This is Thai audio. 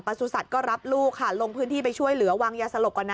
สุสัตว์ก็รับลูกค่ะลงพื้นที่ไปช่วยเหลือวางยาสลบก่อนนะ